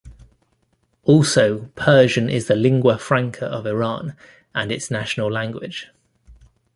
Also Persian is the lingua franca of Iran and its national language.